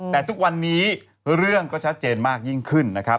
แต่ทุกวันนี้เรื่องก็ชัดเจนมากยิ่งขึ้นนะครับ